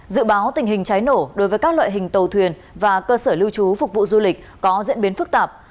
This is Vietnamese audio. dự báo tình hình cháy nổ đối với các loại hình tàu thuyền và cơ sở lưu trú phục vụ du lịch có diễn biến phức tạp